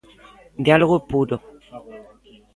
Diálogo puro.